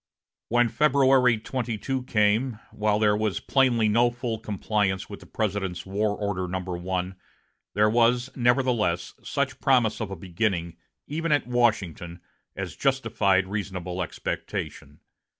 When February 22 came, while there was plainly no full compliance with the President's War Order No. I, there was, nevertheless, such promise of a beginning, even at Washington, as justified reasonable expectation.